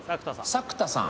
作田さん